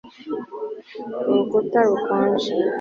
Urukuta rukonje